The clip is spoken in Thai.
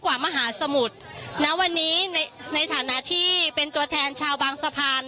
มหาสมุทรณวันนี้ในฐานะที่เป็นตัวแทนชาวบางสะพาน